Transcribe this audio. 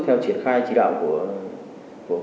theo triển khai chỉ đạo của